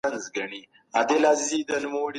کمپيوټر دوا و ناروغ ته ور په يادوي.